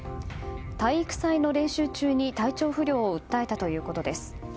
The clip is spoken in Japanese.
体育祭の練習中に体調不良を訴えたということです。